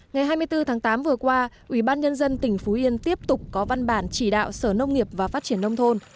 ngày hai mươi bốn tháng tám vừa qua ủy ban nhân dân tỉnh phú yên tiếp tục có văn bản chỉ đạo sở nông nghiệp và phát triển nông thôn